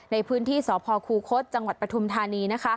ในพื้นที่สพคูคศจังหวัดปฐุมธานี